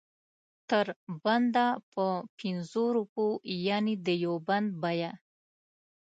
تر بنده په پنځو روپو یعنې د یو بند بیه.